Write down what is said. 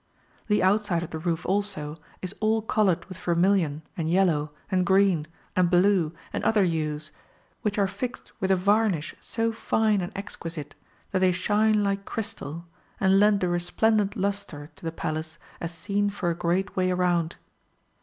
The outside of the roof also is all coloured with vermilion and yellow and green and blue and other hues, which are fixed with a varnish so fine and exquisite that they shine like crystal, and lend a resplendent lustre to the Palace as seen for a great way round.